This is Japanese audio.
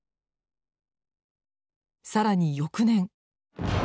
更に翌年。